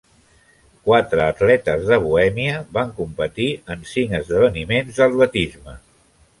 Quatre atletes de Bohèmia van competir en cinc esdeveniments d'atletisme.